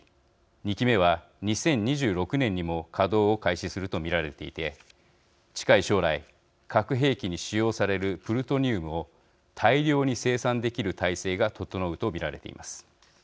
２基目は２０２６年にも稼働を開始すると見られていて近い将来核兵器に使用されるプルトニウムを大量に生産できる態勢が整うと見られています。